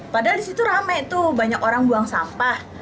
padahal disitu rame tuh banyak orang buang sampah